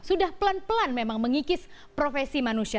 sudah pelan pelan memang mengikis profesi manusia